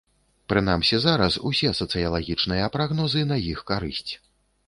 Прынамсі зараз усе сацыялагічныя прагнозы на іх карысць.